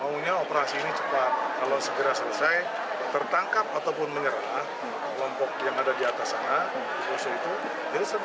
maunya operasi ini cepat kalau segera selesai tertangkap ataupun menyerah kelompok yang ada di atas sana di poso itu